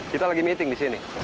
kita sedang berjumpa di sini